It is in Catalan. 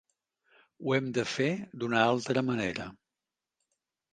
Ho hem de fer d'una altra manera